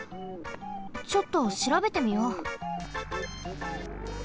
ちょっとしらべてみよう。